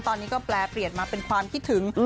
ตอนนี้ก็แปลเปลี่ยนมาเป็นความคิดถึง